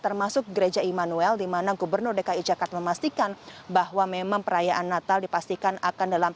termasuk gereja emanuel dimana gubernur dki jakarta memastikan bahwa memang perayaan natal dipastikan akan